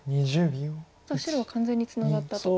白は完全にツナがったと。